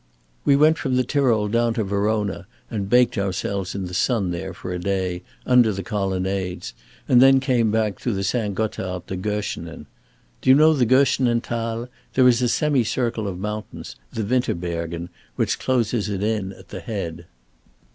"We went from the Tyrol down to Verona and baked ourselves in the sun there for a day, under the colonnades, and then came back through the St. Gotthard to Göschenen. Do you know the Göschenen Thal? There is a semicircle of mountains, the Winterbergen, which closes it in at the head.